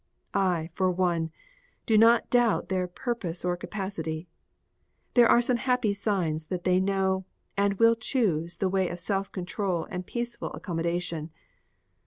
I, for one, do not doubt their purpose or their capacity. There are some happy signs that they know and will choose the way of self control and peaceful accommodation.